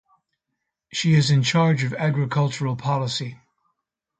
She is in charge of agricultural policy.